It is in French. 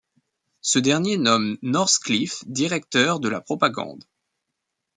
Ce dernier nomme Northcliffe directeur de la propagande.